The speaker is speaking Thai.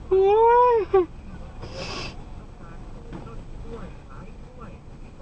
โหย